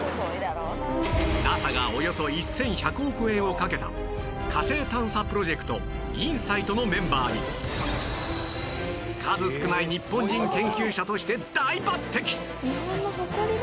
ＮＡＳＡ がおよそ１１００億円をかけた火星探査プロジェクト ＩｎＳｉｇｈｔ のメンバーに数少ない日本の誇りだ。